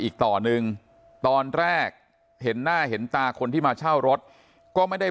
อีกต่อหนึ่งตอนแรกเห็นหน้าเห็นตาคนที่มาเช่ารถก็ไม่ได้